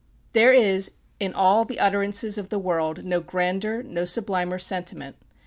There is in all the utterances of the world no grander, no sublimer sentiment.